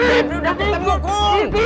pebri udah ketemu kum